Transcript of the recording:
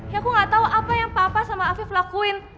ya aku gak tau apa yang papa sama afif lakuin